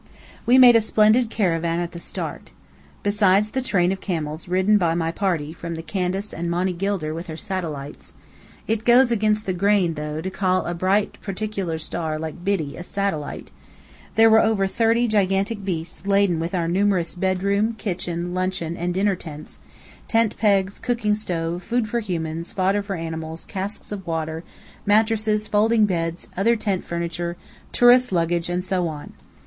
We made a splendid caravan at the start. Besides the train of camels ridden by my party from the Candace and Monny Gilder with her satellites (it goes against the grain, though, to call a bright particular star like Biddy a satellite), there were over thirty gigantic beasts laden with our numerous bedroom, kitchen, luncheon, and dinner tents, tent pegs, cooking stove, food for humans, fodder for animals, casks of water, mattresses, folding beds, other tent furniture, tourists' luggage, and so on.